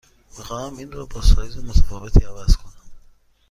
می خواهم این را با سایز متفاوتی عوض کنم.